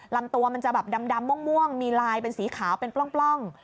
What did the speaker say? ลำตัวมันจะแบบดำม่วงมีลายเป็นสีขาวเป็นปล้อง